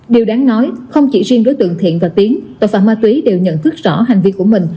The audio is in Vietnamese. điều đáng nói không chỉ riêng đối tượng thiện và tiến tội phạm ma túy đều nhận thức rõ hành vi của mình